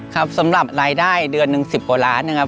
ครับสำหรับรายได้เดือนหนึ่งสิบโปรลาศน์นะครับ